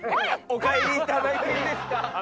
お帰りいただいていいですか？